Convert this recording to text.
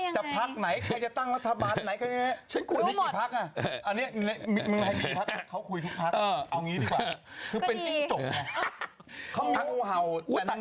จะพักไหนใครจะตั้งวัตถาบาทไหน